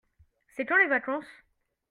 C'est quand les vacances ?